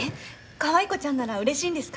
かわい子ちゃんなら嬉しいんですか？